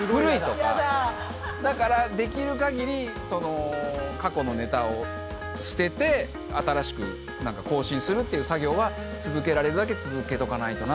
だからできる限り過去のネタを捨てて新しく更新するっていう作業は続けられるだけ続けとかないとなっていう。